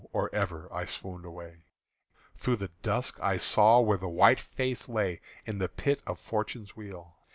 or ever I swooned away, Through the dusk I saw where the white face lay In the Pit of Fortune's Wheel.